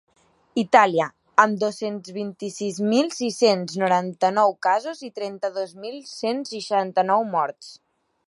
Itàlia, amb dos-cents vint-i-sis mil sis-cents noranta-nou casos i trenta-dos mil cent seixanta-nou morts.